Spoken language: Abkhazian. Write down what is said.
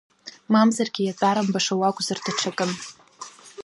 Мамзаргьы иатәарымбаша уакәзар даҽакын.